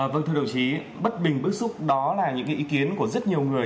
vâng thưa đồng chí bất bình bức xúc đó là những ý kiến của rất nhiều người